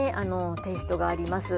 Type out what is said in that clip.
テイストがあります